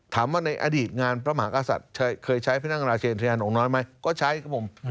ถามว่าในอดีตงานพระมหากษัตริย์เคยใช้พระนั่งราชเชนทยานองค์น้อยไหมก็ใช้ครับผม